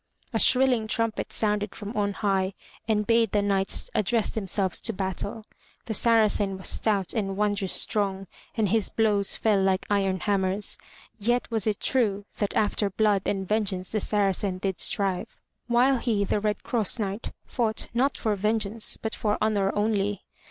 A shrilling trumpet sounded from on high and bade the knights address themselves to battle. The Saracen was stout and wondrous strong and his blows fell like iron hammers. Yet was it true that after blood and vengeance the Saracen did strive, while he, the Red Cross Knight, fought not for vengeance but for honor only.